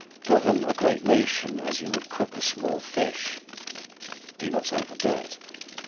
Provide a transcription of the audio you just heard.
"Govern a great nation as you would cook a small fish,"—do not overdo it.